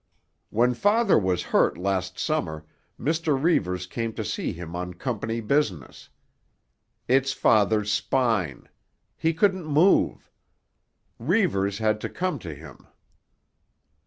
When father was hurt last Summer Mr. Reivers came to see him on company business. It's father's spine; he couldn't move; Reivers had to come to him.